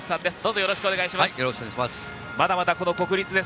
よろしくお願いします。